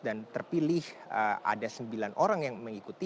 dan terpilih ada sembilan orang yang mengikuti